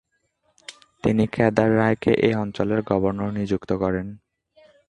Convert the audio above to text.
তিনি কেদার রায়কে এই অঞ্চলের গভর্নর নিযুক্ত করেন।